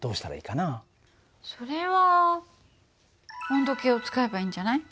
それは温度計を使えばいいんじゃない？